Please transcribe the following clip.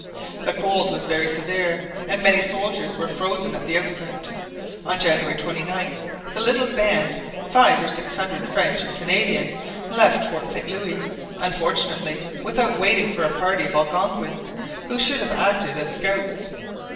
The cold was very severe, and many soldiers were frozen at the outset. On January 29 the little band, five or six hundred French and Canadians, left Fort Saint Louis, unfortunately without waiting for a party of Algonquins who should have acted as scouts.